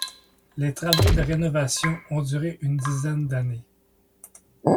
Les travaux de rénovation ont duré une dizaine d'années.